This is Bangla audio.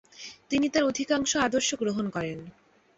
তিনি তার অধিকাংশ আদর্শ গ্রহণ করেন।